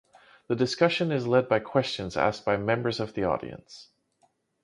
The discussion is led by questions asked by members of the audience.